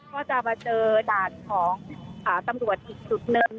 ก็จะมาเจอด่านของตำรวจอีกจุดหนึ่ง